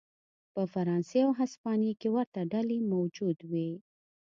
په فرانسې او هسپانیې کې ورته ډلې موجود وې.